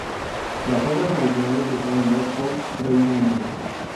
Las obras originales están en Oxford, Reino Unido.